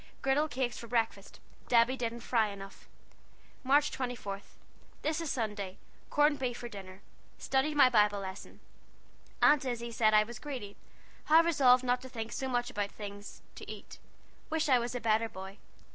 Gridel cakes for brekfast. Debby didn't fry enuff. March 24. This is Sunday. Corn befe for dinnir. Studdied my Bibel leson. Aunt Issy said I was gredy. Have resollved not to think so much about things to ete. Wish I was a beter boy.